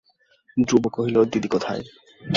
ধ্রুব কহিল, দিদি কোথায়?